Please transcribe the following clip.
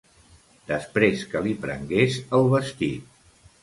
Després que li prengués el vestit.